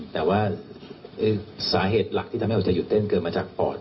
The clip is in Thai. แต่ว่าสาเหตุหลักที่ทำให้หัวใจหยุดเต้นเกิดมาจากปอด